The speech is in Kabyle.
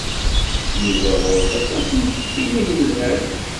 Yuba ɣur-s aṭas n tektiwin i yelhan.